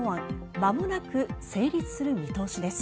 まもなく成立する見通しです。